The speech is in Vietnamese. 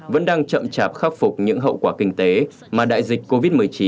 vẫn đang chậm chạp khắc phục những hậu quả kinh tế mà đại dịch covid một mươi chín